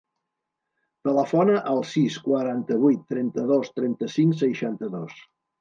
Telefona al sis, quaranta-vuit, trenta-dos, trenta-cinc, seixanta-dos.